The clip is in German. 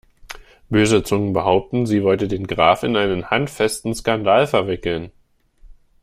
Böse Zungen behaupten, sie wollte den Graf in einen handfesten Skandal verwickeln.